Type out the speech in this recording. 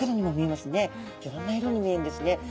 いろんな色に見えるんですね。